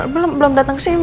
belum belum datang kesini